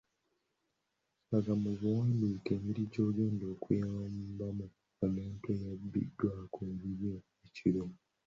Laga mu buwandiike engeri gy'ogenda okuyambamu omuntu eyabbiddwako ebibye ekiro.